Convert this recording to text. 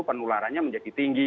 penularannya menjadi tinggi